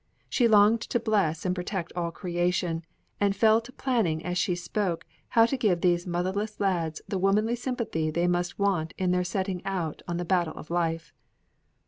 She longed to bless and protect all creation, and fell to planning as she spoke how to give these motherless lads the womanly sympathy they must want in their setting out on the battle of life.